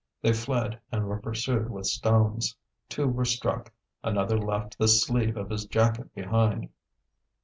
They fled and were pursued with stones. Two were struck, another left the sleeve of his jacket behind.